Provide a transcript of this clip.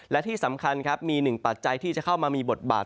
และที่สำคัญครับมีหนึ่งปัจจัยที่จะเข้ามามีบทบาท